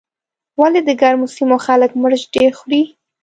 ولې د ګرمو سیمو خلک مرچ ډېر خوري.